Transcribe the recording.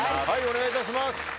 お願いいたします。